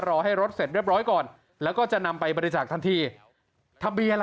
รอให้รถเสร็จเรียบร้อยก่อนแล้วก็จะนำไปบริจาคทันทีทะเบียนล่ะ